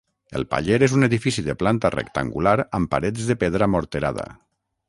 El paller és un edifici de planta rectangular amb parets de pedra morterada.